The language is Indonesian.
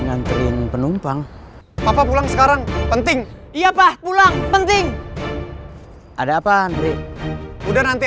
nganterin penumpang papa pulang sekarang penting iya pak pulang penting ada apa andri udah nanti